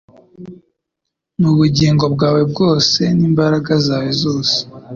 n'ubugingo bwawe bwose n'imbaraga zawe zose,